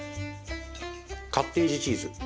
カッテージチーズ。